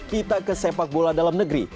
pita ke sepak bola dalam negeri